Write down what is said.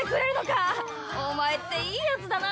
お前っていいやつだな。